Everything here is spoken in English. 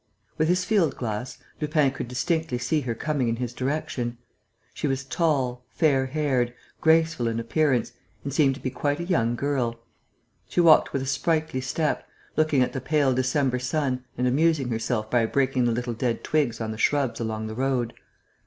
With his field glass, Lupin could distinctly see her coming in his direction. She was tall, fair haired, graceful in appearance, and seemed to be quite a young girl. She walked with a sprightly step, looking at the pale December sun and amusing herself by breaking the little dead twigs on the shrubs along the road.